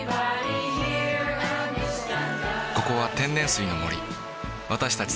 ここは天然水の森わたしたち